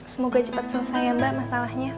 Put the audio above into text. semoga cepat selesai ya mbak masalahnya